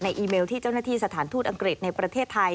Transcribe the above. อีเมลที่เจ้าหน้าที่สถานทูตอังกฤษในประเทศไทย